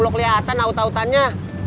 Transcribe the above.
lo kelihatan auta autanya